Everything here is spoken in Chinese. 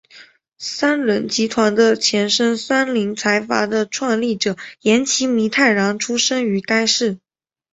三菱集团的前身三菱财阀的创立者岩崎弥太郎出身于该市。